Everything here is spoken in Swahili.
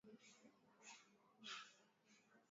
i tu watoe ushahidi dhidi yake ruto